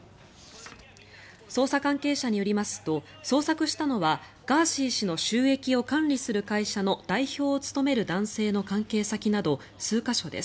捜査関係者によりますと捜索したのはガーシー氏の収益を管理する会社の代表を務める男性の関係先など数か所です。